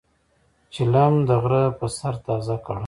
چیلم د غرۀ پۀ سر تازه کړه.